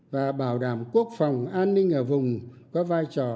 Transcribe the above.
và bảo đảm quốc phòng an ninh ở vùng có vai trò đặc biệt quan trọng